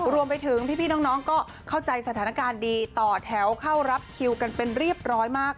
รวมไปถึงพี่น้องก็เข้าใจสถานการณ์ดีต่อแถวเข้ารับคิวกันเป็นเรียบร้อยมาก